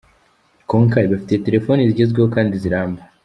Konka ibafitiye Telefoni zigezweho kandi ziramba.